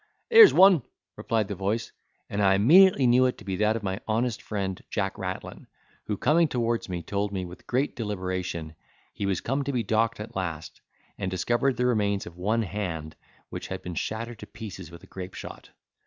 "Here's one!" replied the voice; and I immediately knew it to be that of my honest friend Jack Rattlin, who coming towards me, told me, with great deliberation, he was come to be docked at last, and discovered the remains of one hand, which had been shattered to pieces with a grape shot.